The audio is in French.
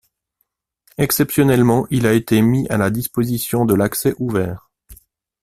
Exceptionnellement, il a été mis à la disposition de l'accès ouvert.